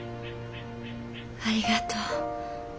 ありがとう。